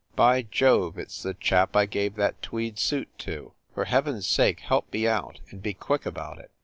"By Jove ! it s the chap I gave that tweed suit to ! For Heaven s sake help me out, and be quick about it."